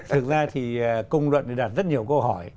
thực ra thì công luận đặt rất nhiều câu hỏi